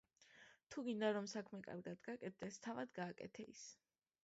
თუ გინდა, რომ საქმე კარგად გაკეთდეს, თავად გააკეთე ის.